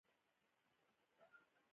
چې د ځان سره په ګټه کې ملګري نه کړي.